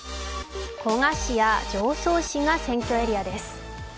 古河市や常総市がエリアです。